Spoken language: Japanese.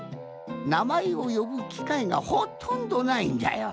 なまえをよぶきかいがほとんどないんじゃよ。